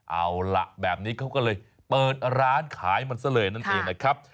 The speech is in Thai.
เอาล่ะแบบนี้เขาก็เลยเปิดร้านขายมันซะเลยนั่นเองนะครับ